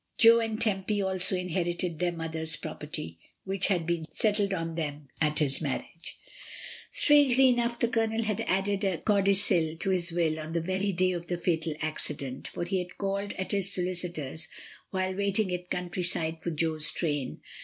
Jo and Tempy also inherited their mother's property, which had been settled on them at his marriage. AFTERWARDS. 39 Strangely enough, the Colonel had added' a codicil to his will on the very day of the fatal ac cident, for he had called at his solicitor's while waiting at Countyside for Jo's train.